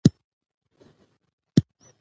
د الهي لارښوونو څخه سرغړونه د شيطان د تائيد وړ ده